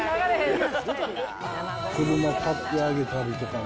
車買ってあげたりとかね。